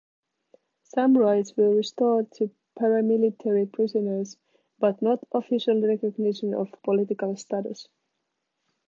Some rights were restored to paramilitary prisoners, but not official recognition of political status.